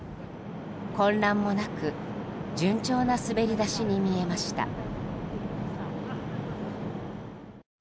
混乱もなく順調な滑り出しに見えました。